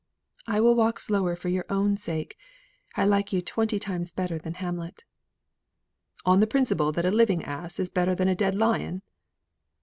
"I will walk slower for your own sake. I like you twenty times better than Hamlet." "On the principle that a living ass is better than a dead lion?"